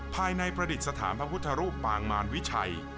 ภายในประดิษฐานพระพุทธรูปปางมารวิชัย